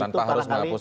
tanpa harus menghapus